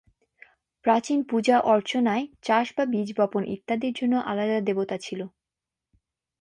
প্রাচীন পূজা অর্চনায় চাষ বা বীজ বপন ইত্যাদির জন্য আলাদা দেবতা ছিলো।